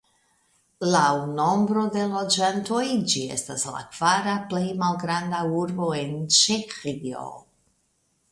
Laŭ nombro de loĝantoj ĝi estas la kvara plej malgranda urbo en Ĉeĥio.